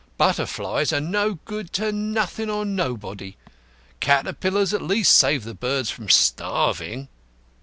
"Butterflies are no good to nothing or nobody; caterpillars at least save the birds from starving."